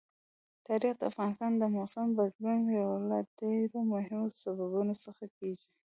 تاریخ د افغانستان د موسم د بدلون یو له ډېرو مهمو سببونو څخه کېږي.